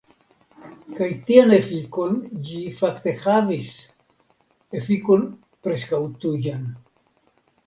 Kaj tian efikon ĝi fakte havis, efikon preskaŭ tujan.